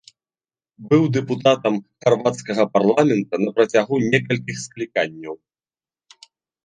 Быў дэпутатам харвацкага парламента на працягу некалькіх скліканняў.